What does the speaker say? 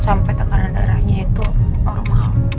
sampai tekanan darahnya itu normal